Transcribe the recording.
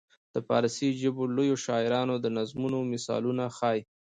د فارسي ژبې لویو شاعرانو د نظمونو مثالونه ښيي.